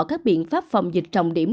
các biện pháp phòng dịch trọng điểm